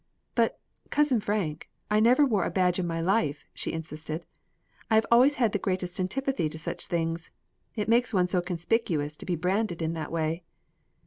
"But, Cousin Frank, I never wore a badge in my life," she insisted. "I have always had the greatest antipathy to such things. It makes one so conspicuous to be branded in that way."